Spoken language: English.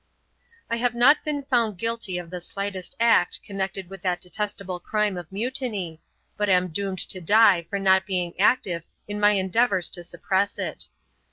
'I have not been found guilty of the slightest act connected with that detestable crime of mutiny, but am doomed to die for not being active in my endeavours to suppress it.